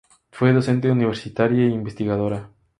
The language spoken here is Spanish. Fue docente universitaria e investigadora.